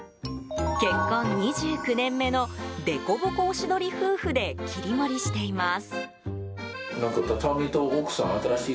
結婚２９年目の凸凹おしどり夫婦で切り盛りしています。